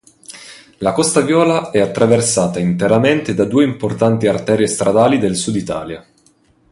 La Costa Viola è attraversata interamente da due importanti arterie stradali del sud Italia.